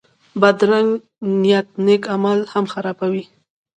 بدرنګه نیت نېک عمل هم خرابوي